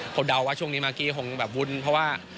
ผมเดาว่าช่วงนี้มากกี้คงแบบวุ่นเพราะว่า